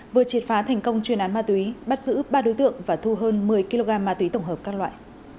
vừa triệt phá thành công chuyên án ma túy bắt giữ ba đối tượng và thu hơn một mươi kg ma túy tổng hợp các loại